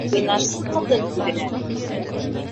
Уйнашсы ҡатын күҙенән